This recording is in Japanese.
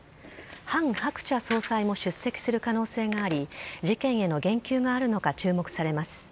ハン・ハクチャ総裁も出席する可能性があり事件への言及があるのか注目されます。